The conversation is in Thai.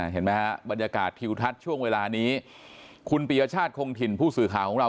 เห็นไหมฮะบรรยากาศทิวทัศน์ช่วงเวลานี้คุณปียชาติคงถิ่นผู้สื่อข่าวของเรา